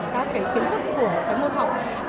các cái kiến thức của cái môn học